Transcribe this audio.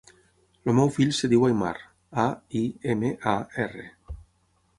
El meu fill es diu Aimar: a, i, ema, a, erra.